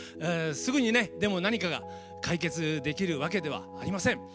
すぐにでも何かが解決できるわけではありません。